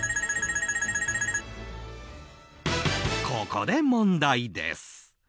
ここで問題です。